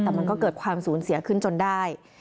แต่มันก็เกิดความสูญเสียขึ้นจนได้